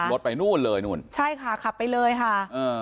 รถไปนู่นเลยนู่นใช่ค่ะขับไปเลยค่ะอ่า